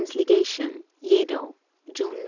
's LEGATION, YEDO, June 9.